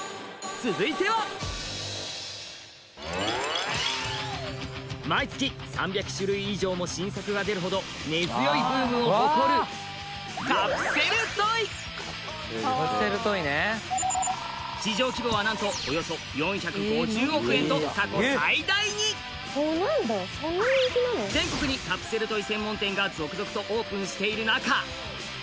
続いては毎月３００種類以上も新作が出るほど根強いブームを誇る市場規模はなんとおよそ４５０億円と過去最大に全国にカプセルトイ専門店が続々とオープンしている中